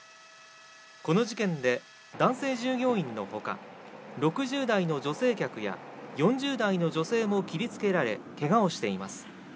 この事件で男性従業員のほか、６０代の女性客や４０代の女性も切りつけられ、けがをしています。